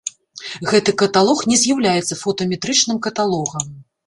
Гэты каталог не з'яўляецца фотаметрычным каталогам.